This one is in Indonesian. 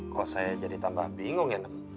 kok saya jadi tambah bingung ya